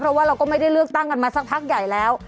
เพราะว่าเราก็ไม่ได้เลือกตั้งกันมาสักพักใหญ่แล้ว